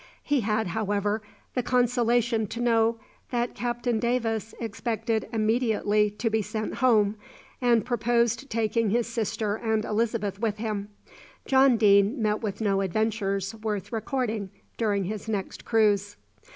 He had, however, the consolation to know that Captain Davis expected immediately to be sent home, and proposed taking his sister and Elizabeth with him. John Deane met with no adventures worth recording during his next cruise.